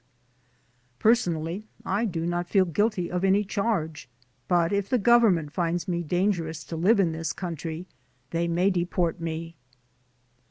54860/415) : "Personally, I do not feel guilty of any charge, but if the Government finds me dangerous to live in this country, they may deport me."